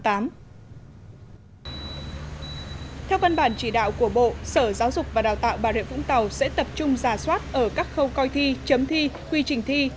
theo văn bản chỉ đạo của bộ sở giáo dục và đào tạo bà rịa vũng tàu sẽ tập trung giả soát ở các khâu coi thi chấm thi quy trình thi